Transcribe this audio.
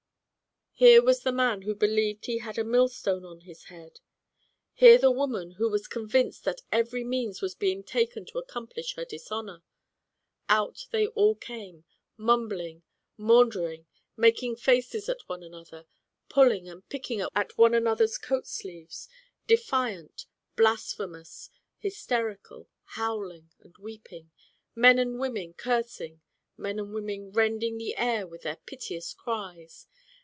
Here was the man who believed he had a millstone on his head; here the woman who was convinced that every means was being taken to accomplish her dis honor; out they all came, mumbling, maunder ing, making faces at one another, pulling and picking at one another's coat sleeves, defiant, blasphemous, hysterical, howling, and weeping, men and women cursing, men and women rend ing the air with their piteous cries.